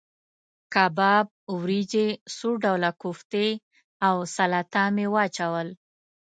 کباب، وریجې، څو ډوله کوفتې او سلاته مې واچول.